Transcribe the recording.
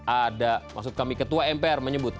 ada maksud kami ketua mpr menyebut